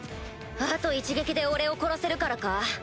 あと一撃で俺を殺せるからか？